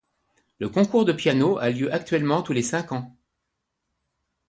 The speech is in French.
Le concours de piano a lieu actuellement tous les cinq ans.